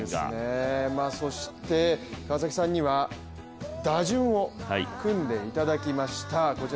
そして川崎さんには打順を組んでいただきました。